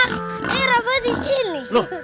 eh rafa di sini